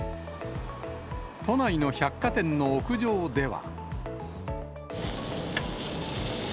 都内の百貨店の屋上では。